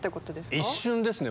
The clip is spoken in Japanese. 一瞬ですね。